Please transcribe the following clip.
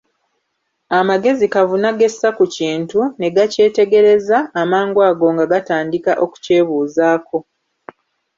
Amagezi kavuna gessa ku kintu, ne gakyetegereza, amangu ago nga gatandika okukyebuuzaako.